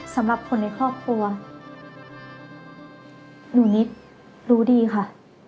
สำหรับคนในครอบครัวหนูนิดรู้ดีค่ะ